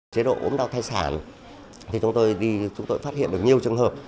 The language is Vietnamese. chế độ ốm đau thai sản thì chúng tôi đi chúng tôi phát hiện được nhiều trường hợp